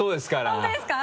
本当ですか？